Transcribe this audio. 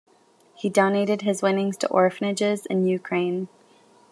He donated his winnings to orphanages in Ukraine.